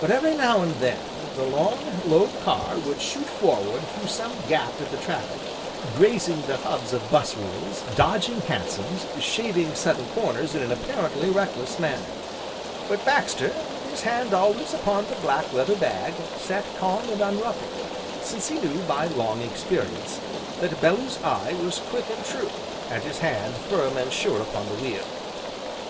But, every now and then, the long, low car would shoot forward through some gap in the traffic, grazing the hubs of bus wheels, dodging hansoms, shaving sudden corners in an apparently reckless manner. But Baxter, with his hand always upon the black leather bag, sat calm and unruffled, since he knew, by long experience, that Bellew's eye was quick and true, and his hand firm and sure upon the wheel.